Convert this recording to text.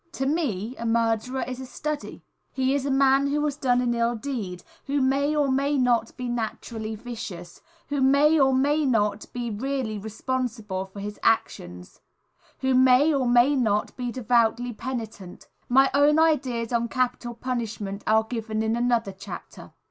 To me, a murderer is a study. He is a man who has done an ill deed, who may or may not be naturally vicious; who may or may not be really responsible for his actions; who may or may not be devoutly penitent. My own ideas on capital punishment are given in another chapter.